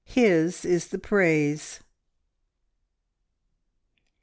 His is the praise!"